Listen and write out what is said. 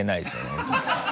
本当に。